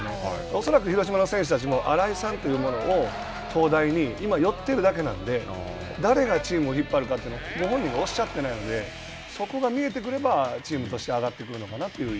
恐らく広島選手たちも新井さんというものを灯台に今寄ってるだけなんで誰がチームを引っ張るかというのがご本人がおっしゃってないのでそこが見えてくればチームとして上がってくるのかな